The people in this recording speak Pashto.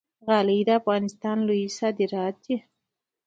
غالۍ د افغانستان لوی صادرات دي